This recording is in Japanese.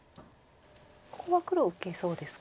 ここは黒受けそうですか。